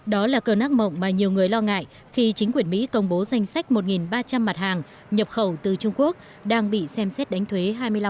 đó là cơn ác mộng mà nhiều người lo ngại khi chính quyền mỹ công bố danh sách một ba trăm linh mặt hàng nhập khẩu từ trung quốc đang bị xem xét đánh thuế hai mươi năm